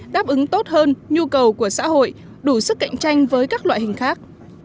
đáp ứng tốt hơn nhu cầu của xã hội đủ sức cạnh tranh với các loại hình khác